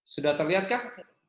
sudah terlihat kah